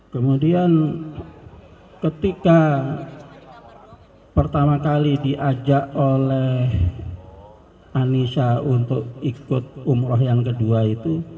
kemudian ketika pertama kali diajak oleh anissa untuk ikut umroh yang kedua itu